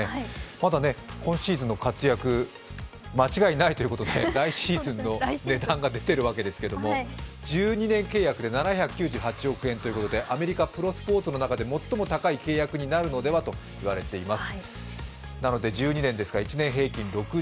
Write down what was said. まだ今シーズンの活躍、間違いないということで来シーズンの値段が出ているわけですけれども１２契約で７９８億円でアメリカのプロスポーツの中で、最も高い契約になるのではといわれています。